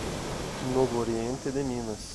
Novo Oriente de Minas